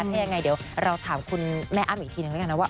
ถ้ายังไงเดี๋ยวเราถามคุณแม่อ้ำอีกทีนึงแล้วกันนะว่า